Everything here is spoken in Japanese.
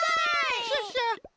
クシャシャ！